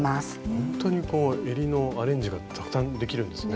ほんとにこうえりのアレンジがたくさんできるんですね。